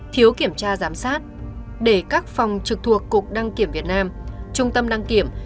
thiếu kiểm tra giám sát để các phòng trực thuộc cục đăng kiểm việt nam trung tâm đăng kiểm